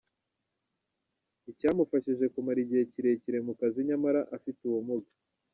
Icyamufashije kumara igihe kirekire mu kazi nyamara afite ubumuga.